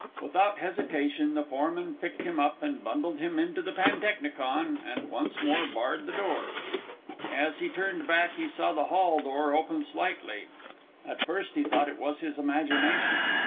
Without hesitation the foreman picked him up and bundled him into the pantechnicon and once more barred the door. As he turned back he saw the hall door open slightly. At first he thought it was his imagination.